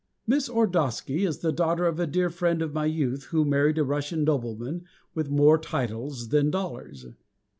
Miss Ordosky is the daughter of a dear old friend of my youth, who married a Russian nobleman with more titles than dollars.